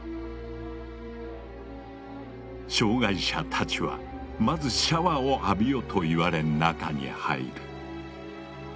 障害者たちはまずシャワーを浴びよと言われ中に入る。